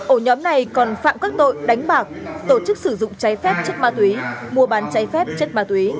ổ nhóm này còn phạm các tội đánh bạc tổ chức sử dụng cháy phép chất ma túy mua bán cháy phép chất ma túy